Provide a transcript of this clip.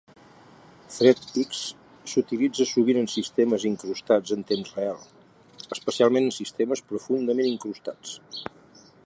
ThreadX s'utilitza sovint en sistemes incrustats en temps real, especialment en sistemes profundament incrustats.